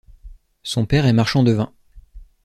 Son père est marchand de vin.